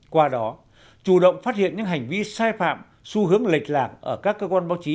qua đó chủ động phát hiện những hành vi sai phạm xu hướng lệch lạc ở các cơ quan báo chí